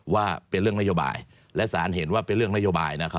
ว่าเป็นเรื่องนโยบาย